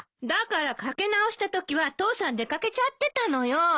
だからかけ直したときは父さん出掛けちゃってたのよ。